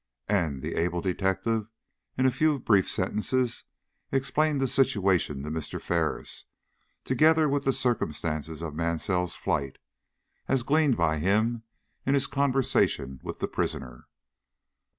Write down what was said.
And the able detective, in a few brief sentences, explained the situation to Mr. Ferris, together with the circumstances of Mansell's flight, as gleaned by him in his conversation with the prisoner.